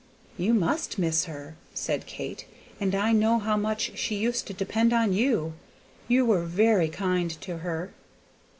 "You must miss her," said Kate, "and I know how much she used to depend upon you. You were very kind to her."